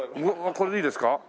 これでいいですか？